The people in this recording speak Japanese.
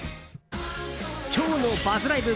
今日のＢＵＺＺＬＩＶＥ！